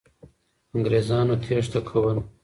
انګریزان تېښته کوله.